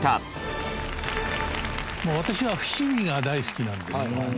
もう私は伏見が大好きなんですよ。